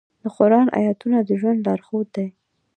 د قرآن آیاتونه د ژوند لارښود دي.